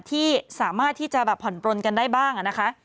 ที่สามารถที่จะแบบผ่อนปลนกันได้บ้างนะคะ